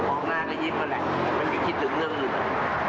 ออกหน้าก็ยิ้มก็แหละมันก็คิดถึงเรื่องอื่น